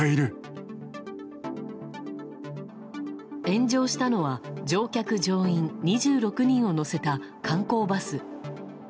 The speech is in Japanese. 炎上したのは、乗客・乗員２６人を乗せた観光バス。